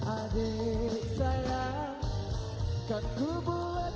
adik sayang kan ku buat dirimu bahagia